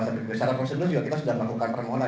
secara prosedur juga kita sudah melakukan permohonan